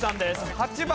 ８番。